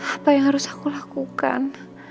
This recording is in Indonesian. apa yang harus aku lakukan